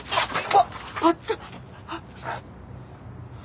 あっあった！